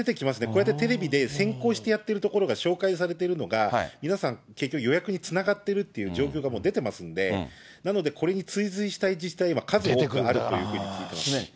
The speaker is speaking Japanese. こうやってテレビで先行してやってるところが紹介されているのが、皆さん、結局、予約につながっているという状況が出てますんで、なので、これに追随したい自治体、数多くあるというふうに聞いていますね。